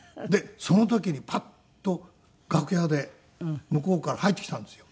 その時にパッと楽屋で向こうから入ってきたんですよ。